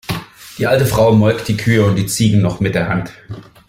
Die alte Frau molk die Kühe und die Ziegen noch mit der Hand.